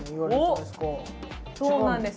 そうなんです。